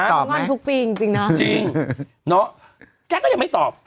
ก็ง่อนทุกปีจริงจริงนะจริงแกก็ยังไม่ตอบ